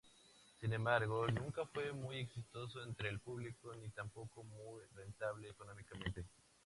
Sin embargo, nunca fue muy exitoso entre el público ni tampoco muy rentable económicamente.